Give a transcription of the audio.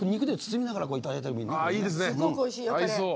すごくおいしいよ、これ。